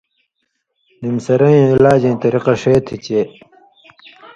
نِم سرَیں علاجَیں طریقہ شے تھی چے